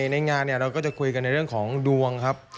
ในงานเราก็จะคุยกันในเรื่องของดวงครับ